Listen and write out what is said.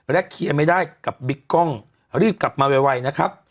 เคลียร์ไม่ได้กับบิ๊กกล้องรีบกลับมาไวนะครับ